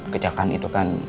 kejahatan itu kan